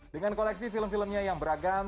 dengan koleksi film filmnya yang beragam